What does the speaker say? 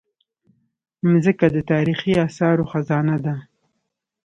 مځکه د تاریخي اثارو خزانه ده.